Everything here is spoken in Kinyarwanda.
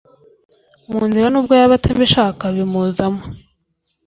mu nzira Nubwo yaba atabishaka bizamuzamo